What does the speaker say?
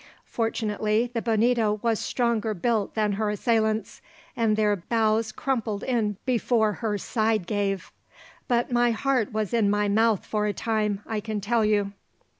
Fortunately the Bonito was stronger built than her assailants, and their bows crumpled in before her side gave; but my heart was in my mouth for a time, I can tell you."